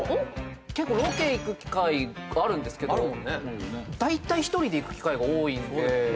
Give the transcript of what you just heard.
結構ロケ行く機会があるんですけどだいたい１人で行く機会が多いんで。